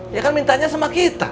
dia kan mintanya sama kita